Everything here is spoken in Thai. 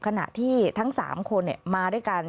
ขณะที่ทั้ง๓คนมาด้วยกัน